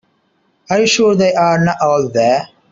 Are you sure they are not all there?